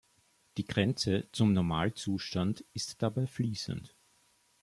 Die Grenze zum Normalzustand ist dabei fließend.